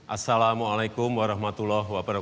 assalamualaikum warahmatullahi wabarakatuh